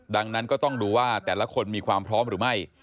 ดังนั้นก็ต้องดูว่าแต่ละคนมีความพร้อมหรือไม่